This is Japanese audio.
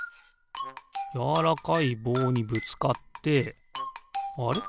やわらかいぼうにぶつかってあれ？